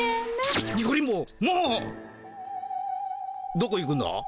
どこ行くんだ？